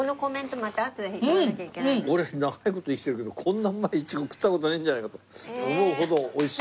俺長い事生きてるけどこんなうまいイチゴ食った事ないんじゃないかと思うほど美味しい。